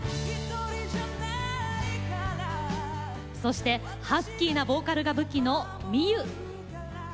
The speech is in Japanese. そして、ハスキーなボーカルが武器のｍｉｙｏｕ。